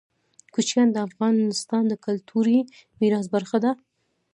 کوچیان د افغانستان د کلتوري میراث برخه ده.